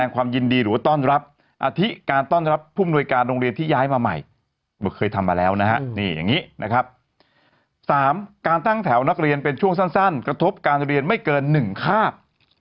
การตั้งแถวนักเรียนเป็นช่วงสั้นกระทบการเรียนไม่เกิน๑คาบ